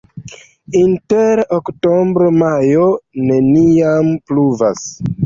Inter oktobro-majo neniam pluvas.